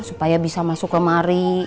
supaya bisa masuk kemari